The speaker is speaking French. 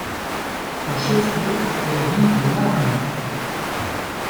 Son chef-lieu est la ville de Malargüe.